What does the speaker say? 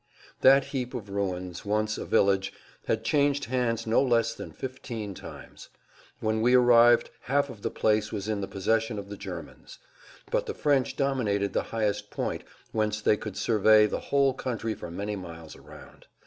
That heap of ruins, once a village, had changed hands no less than fifteen times. When we arrived half of the place was in the possession of the Germans. But the French dominated the highest point, whence they could survey the whole country for many miles around.